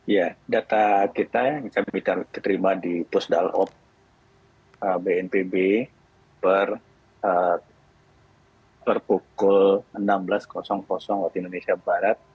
ya data kita yang bisa kita terima di pusdalop bnpb berpukul enam belas waktu indonesia barat